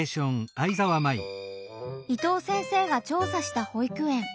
伊藤先生が調査した保育園。